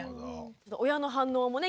親の反応もね